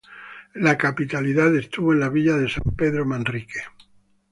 La capitalidad estuvo en la villa de San Pedro Manrique.